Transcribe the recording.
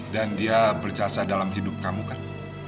dan dia bercasa dalam hidup kamu kan